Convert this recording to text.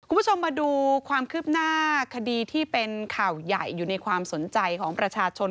คุณผู้ชมมาดูความคืบหน้าคดีที่เป็นข่าวใหญ่อยู่ในความสนใจของประชาชน